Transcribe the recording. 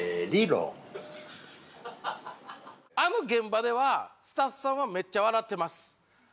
あの現場ではスタッフさんはめっちゃ笑ってます。